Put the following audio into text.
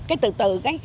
cái từ từ